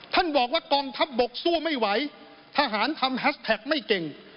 ท่านบอกว่ากองทัพบกสู้ไม่ไหวทหารทำแฮสแท็กไม่เก่ง